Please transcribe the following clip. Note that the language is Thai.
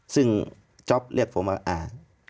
ซึ่งจ๊อปเรียกผมว่าอ่า